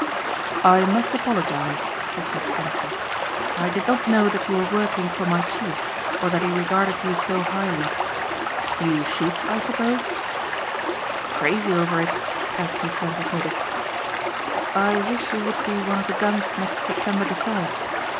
"I must apologize," he said frankly, "I did not know that you were working for my chief or that he regarded you so highly. You shoot I suppose?" "Crazy over it," Anthony Trent admitted. "I wish you would be one of the guns next September the first.